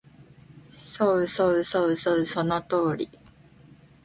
そうそうそうそう、その通り